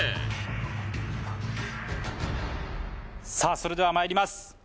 それではまいります